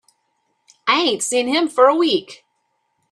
I ain't seen him for a week.